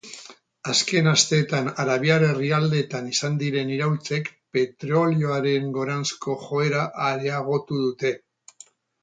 Azken asteetan arabiar herrialdeetan izan diren iraultzek petrolioaren goranzko joera areagotu dute.